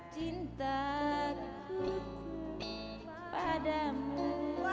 cinta ku padamu